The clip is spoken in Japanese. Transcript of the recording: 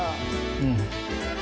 うん。